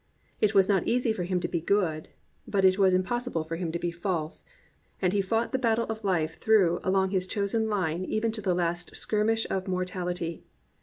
It was not easy for him to be good, but it was impossible for him to be false; and he fought the battle of life through along his chosen line even to the last skirmish of mortality.